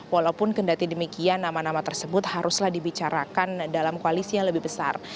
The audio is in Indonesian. walaupun kendati demikian nama nama tersebut haruslah dibicarakan dalam koalisi yang lebih besar